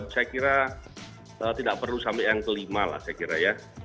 saya kira tidak perlu sampai yang kelima lah saya kira ya